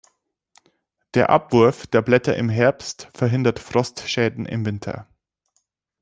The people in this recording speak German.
Der Abwurf der Blätter im Herbst verhindert Frostschäden im Winter.